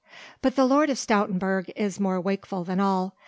But the Lord of Stoutenburg is more wakeful than all.